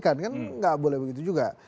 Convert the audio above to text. kan enggak boleh begitu juga